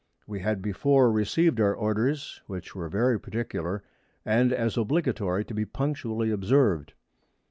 We had before received our Orders, which were very particular, and as obligatory to be punctually observed.